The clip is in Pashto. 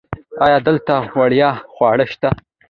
ایا دلته وړیا خواړه شته؟